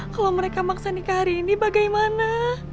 kalau mereka maksa nikah hari ini bagaimana